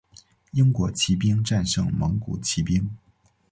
英国骑兵战胜蒙古骑兵。